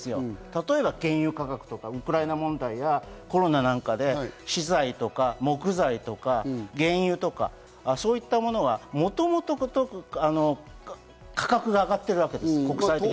例えば原油価格とかウクライナ問題とかコロナなんかで資材や木材、原油、そういったものがもともと価格が上がっているわけです。